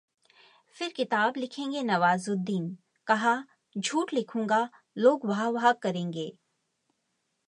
फिर किताब लिखेंगे नवाजुद्दीन, कहा- 'झूठ लिखूंगा, लोग वाह-वाह करेंगे'